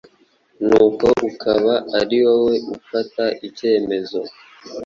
nuko ukaba ari wowe ufata icyemezo.